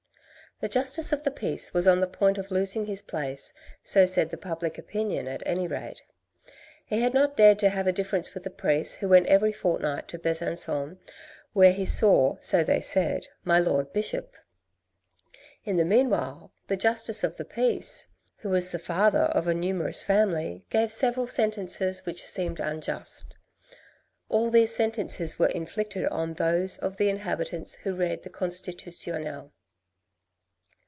The Justice of the Peace was on the point of losing his place, so said the public opinion at any rate. Had he not dared to have a difference with the priest who went every fortnight to Besan con ; where he saw, so they said, my Lord the Bishop. In the meanwhile the Justice of the Peace, who was the * The author v/as sub lieutenant in the 6th Dragoons in 1800 24 THE RED AND THE BLACK father of a numerous family, gave several sentences which seemed unjust : all these sentences were inflicted on those of the inhabitants who read the " Constitutionel."